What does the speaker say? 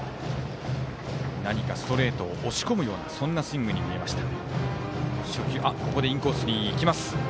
何かストレートを押し込むようなそんなスイングに見えました。